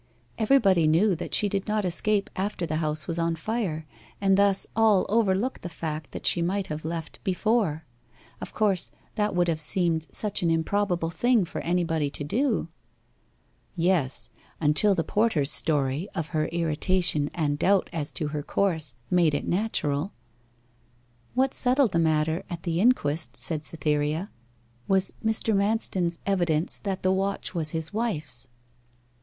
Everybody knew that she did not escape after the house was on fire, and thus all overlooked the fact that she might have left before of course that would have seemed such an improbable thing for anybody to do.' 'Yes, until the porter's story of her irritation and doubt as to her course made it natural.' 'What settled the matter at the inquest,' said Cytherea, 'was Mr. Manston's evidence that the watch was his wife's.